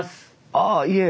ああいえ。